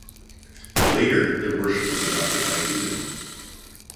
Later their worship was adopted by Buddhism.